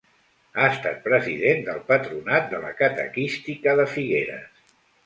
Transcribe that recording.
Ha estat president del Patronat de la catequística de Figueres.